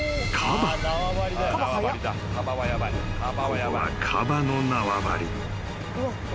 ［ここはカバの縄張り］